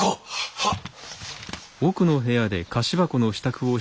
はっ。